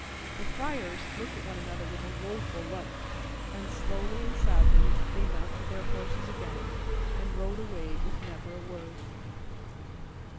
The friars looked at one another with a woeful look, and slowly and sadly they mounted their horses again and rode away with never a word.